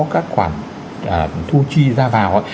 các khoản thu chi ra vào